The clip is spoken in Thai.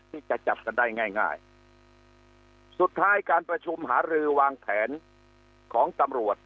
ที่จะจับกันได้ง่ายง่ายสุดท้ายการประชุมหารือวางแผนของตำรวจ